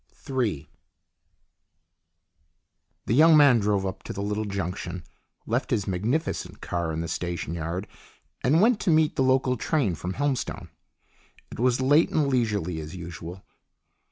Ill THE young man drove up to the little junction, left his magnificent car in the station yard, and went to meet the local train from Helmstone. It was late and leisurely, as usual.